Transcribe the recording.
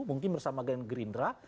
mungkin bersama dengan gerindra